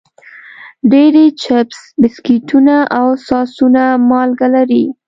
ډېری چپس، بسکټونه او ساسونه مالګه لري.